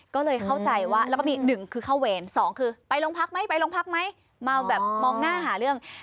ก็เลยเข้าใจว่าแล้วก็มีหนึ่งคือเข้าเวรสองคือไปโรงพักไหมไปโรงพักไหมเมาแบบมองหน้าหาเรื่อง